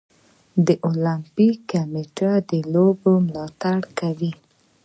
د المپیک کمیټه د لوبو ملاتړ کوي.